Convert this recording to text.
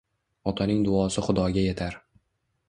Otaning duosi xudoga etar